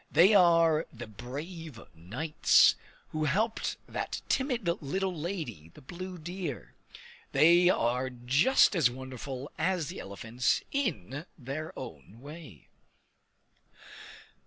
They are the brave knights who helped that timid little lady, the blue deer. They are just as wonderful as the elephants, in their own way.